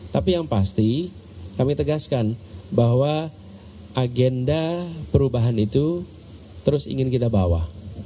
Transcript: tapi yang pasti kami tegaskan bahwa agenda perubahan itu terus ingin kita bawa